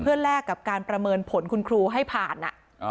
แลกกับการประเมินผลคุณครูให้ผ่าน